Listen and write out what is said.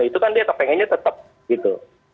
itu kan dia kepengennya tetap gitu